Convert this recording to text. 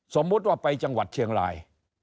สมมุติว่าไปจังหวัดเชียงราย